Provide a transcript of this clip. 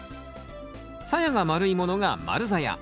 さやが丸いものが丸ざや。